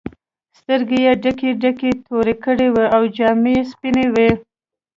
سترګې یې ډکې ډکې تورې کړې وې او جامې یې سپینې وې.